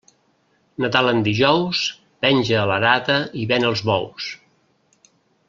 Nadal en dijous, penja l'arada i ven els bous.